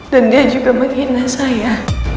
dan dia juga menghina saya